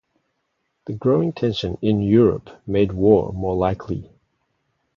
The growing tension in Europe made war more likely.